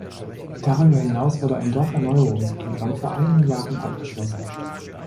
Darüber hinaus wurde ein Dorferneuerungsprogramm vor einigen Jahren abgeschlossen.